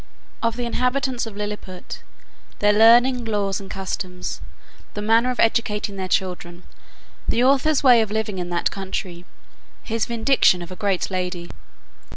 Of the inhabitants of Lilliput; their learning, laws, and customs; the manner of educating their children. The author's way of living in that country. His vindication of a great lady.